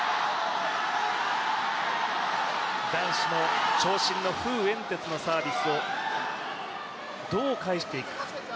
男子の長身の馮彦哲のサービスをどう返していく。